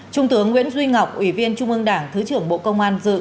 trung tướng nguyễn duy ngọc ủy viên trung ương đảng thứ trưởng bộ công an dự